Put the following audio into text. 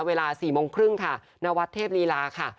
เวลา๔โมงครึ่งค่ะนวัดเทพลีลาค่ะ